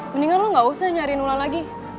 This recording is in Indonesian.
mendingan lu gak usah nyariin bulan lagi